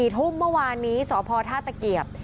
๔ทุ่มเมื่อวานนี้สพท่าตะเกียบ